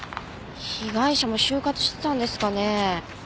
被害者も終活してたんですかね？